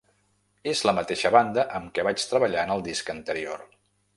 És la mateixa banda amb què vaig treballar en el disc anterior.